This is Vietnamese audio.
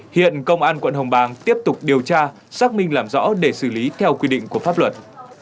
hiện công an quận hồng bàng tiếp tục điều tra xác minh làm rõ để xử lý theo quy định của pháp luật